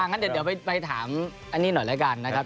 งั้นเดี๋ยวไปถามอันนี้หน่อยแล้วกันนะครับ